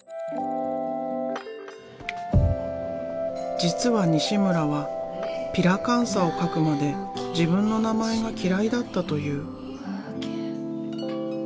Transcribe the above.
実は西村はピラカンサを描くまで自分の名前が嫌いだったという。